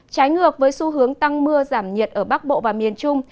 trái ngược với xu hướng tăng mưa giảm nhiệt ở bắc bộ và miền trung